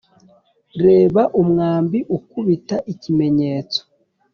reba umwambi ukubita ikimenyetso;